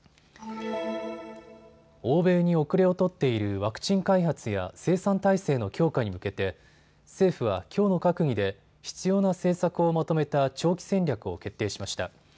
欧米に後れを取っているワクチン開発や生産体制の強化に向けて政府はきょうの閣議で必要な政策をまとめた長期戦略を決定しました。